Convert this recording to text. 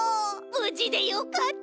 ぶじでよかった！